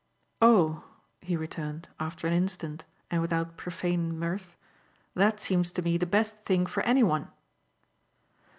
"Oh," he returned after an instant and without profane mirth, "that seems to me the best thing for any one."